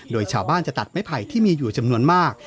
โดยชาวบ้านจะตัดไม้ไผ่ที่มีอยู่จำนวนมาก